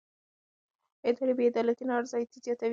اداري بې عدالتي نارضایتي زیاتوي